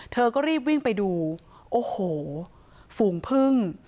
เธอก็รีบวิ่งไปดูโอ้โหฝูงพึ่ง